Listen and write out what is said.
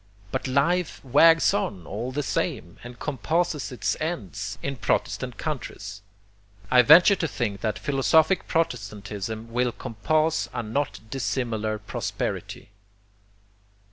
But life wags on, all the same, and compasses its ends, in protestant countries. I venture to think that philosophic protestantism will compass a not dissimilar prosperity.